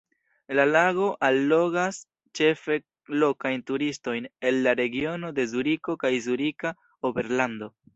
La lago allogas ĉefe lokajn turistojn el la regiono de Zuriko kaj Zurika Oberlando.